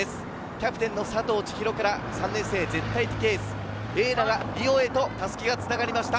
キャプテンの佐藤千紘から３年生の絶対的エース、永長里緒へと襷がつながりました。